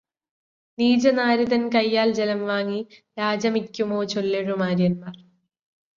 നീചനാരിതൻ കൈയാൽ ജലം വാങ്ങി യാചമിക്കുമോ ചൊല്ലെഴുമാര്യന്മാർ?